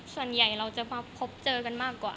ส่วนใหญ่เราจะมาพบเจอกันมากกว่า